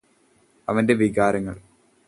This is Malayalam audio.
അവന്റെ വികാരങ്ങൾ.